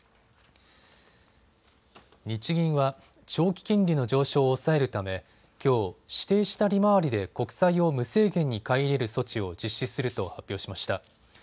日銀は長期金利の上昇を抑えるためきょう、指定した利回りで国債を無制限に買い入れる措置を実施すると発表しました。